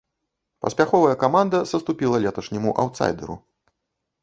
Паспяховая каманда саступіла леташняму аўтсайдэру.